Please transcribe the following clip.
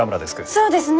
そうですね。